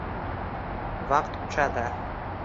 Vaqt uchadi